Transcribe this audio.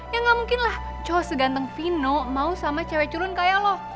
ya gak mungkin lah cowok seganteng vino mau sama cewek culun kayak lo